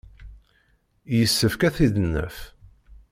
Yessefk ad t-id-naf.